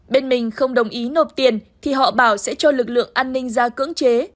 bên mình không đồng ý nộp tiền thì họ bảo sẽ cho lực lượng an ninh ra cưỡng chế